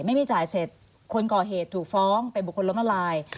ไม่จ่ายเสร็จคนก่อเหตุถูกฟ้องเป็นบุคคลล้มละลาย